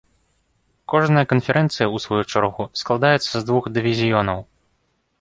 Кожная канферэнцыя ў сваю чаргу складаецца з двух дывізіёнаў.